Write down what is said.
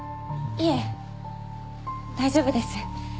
いえ大丈夫です。